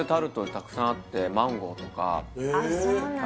たくさんあってマンゴーとかそうなんだ